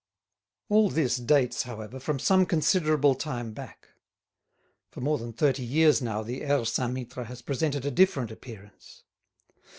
All this dates, however, from some considerable time back. For more than thirty years now the Aire Saint Mittre has presented a different appearance.